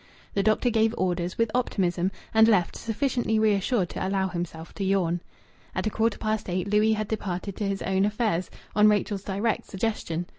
The doctor gave orders, with optimism, and left, sufficiently reassured to allow himself to yawn. At a quarter past eight Louis had departed to his own affairs, on Rachel's direct suggestion.